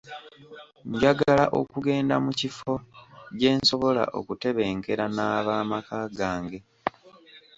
Njagala okugenda mu mu kifo gye nsobola okutebenkera n'abaamaka gange.